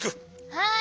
はい。